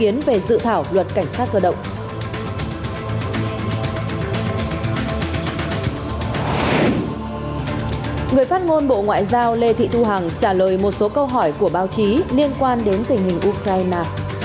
người phát ngôn bộ ngoại giao lê thị thu hằng trả lời một số câu hỏi của báo chí liên quan đến tình hình ukraine